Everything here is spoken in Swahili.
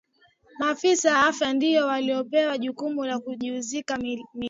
maafisa afya ndio waliopewa jukumu la kuizika miili hiyo